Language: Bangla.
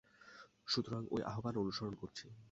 সুতরাং ঐ আহ্বান অনুসরণ করছি।